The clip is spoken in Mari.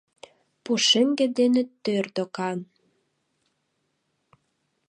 Пушеҥге дене тӧр докан.